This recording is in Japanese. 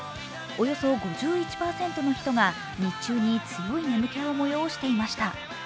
およそ５１％の人が日中に強い眠気を催していました。